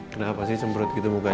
kenapa sih cemberut gitu mukanya